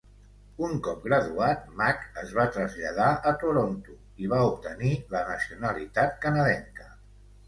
Un cop graduat, Mak es va traslladar a Toronto i va obtenir la nacionalitat canadenca.